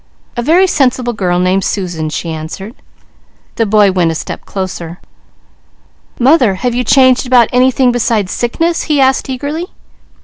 "A very sensible girl named Susan," she answered. The boy went a step closer. "Mother, have you changed about anything besides sickness?" he asked eagerly.